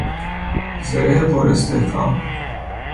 زره پر استحکام